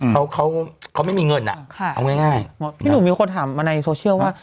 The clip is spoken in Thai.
เขาเขาไม่มีเงินอ่ะค่ะเอาง่ายพี่หนุ่มมีคนถามมาในโซเชียลว่า